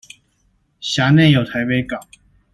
轄內有臺北港